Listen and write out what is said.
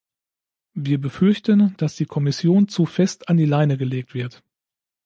Wir befürchten, dass die Kommission zu fest an die Leine gelegt wird.